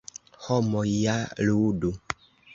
Homoj ja ludu.